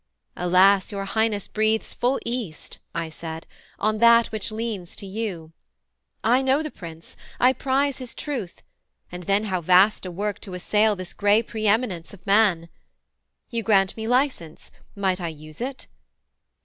'Alas your Highness breathes full East,' I said, 'On that which leans to you. I know the Prince, I prize his truth: and then how vast a work To assail this gray preëminence of man! You grant me license; might I use it?